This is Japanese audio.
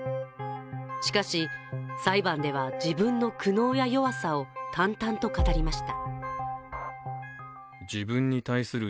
しかし裁判では、自分の苦悩や弱さを淡々と語りました。